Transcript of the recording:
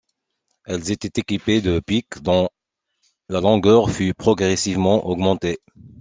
Elles étaient équipées de piques dont la longueur fut progressivement augmentée.